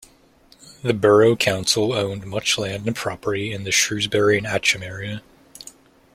The borough council owned much land and property in the Shrewsbury and Atcham area.